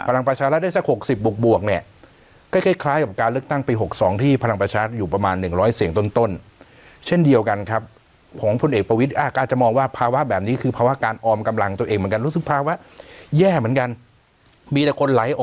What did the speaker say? อ่าพลังประชารัฐได้สักหกสิบบวกบวกเนี่ย